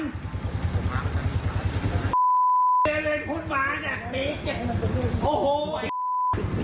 เรียนคุณมาเนี่ยปีเจ็บโอ้โห